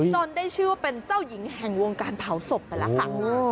ได้ชื่อว่าเป็นเจ้าหญิงแห่งวงการเผาศพไปแล้วค่ะ